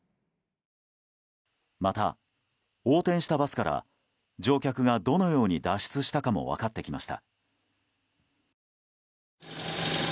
また、横転したバスから乗客がどのように脱出したかも分かってきました。